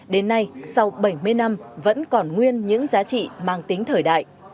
đến nay sau bảy mươi năm vẫn còn nguyên những giá trị mang tính thời đại